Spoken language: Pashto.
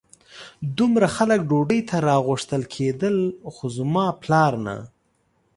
دومره خلک ډوډۍ ته راغوښتل کېدل خو زما پلار نه.